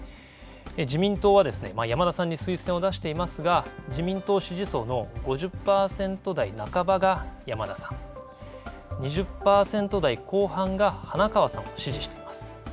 自民党は山田さんに推薦を出していますが、自民党支持層の５０％台半ばが、山田さん。２０％台後半が花川さんを支持しています。